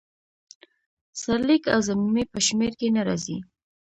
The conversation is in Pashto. سرلیک او ضمیمې په شمیر کې نه راځي.